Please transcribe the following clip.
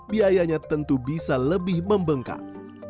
biayanya tentu bisa lebih membengkak